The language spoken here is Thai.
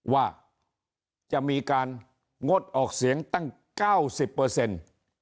ว่าจะมีการงดออกเสียงตั้งเก้าสิบเปอร์เซ็นต์